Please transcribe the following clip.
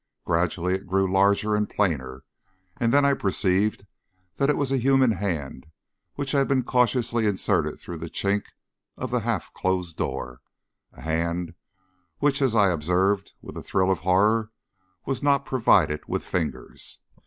Gradually it grew larger and plainer, and then I perceived that it was a human hand which had been cautiously inserted through the chink of the half closed door a hand which, as I observed with a thrill of horror, was not provided with fingers.